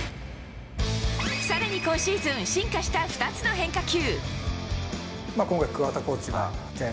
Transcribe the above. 更に今シーズン進化した２つの変化球。